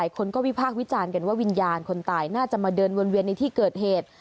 คนก็วิพากษ์วิจารณ์กันว่าวิญญาณคนตายน่าจะมาเดินวนเวียนในที่เกิดเหตุ